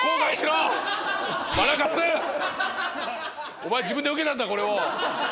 お前自分で受けたんだこれを。